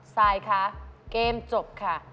ซายคะเกมจบค่ะ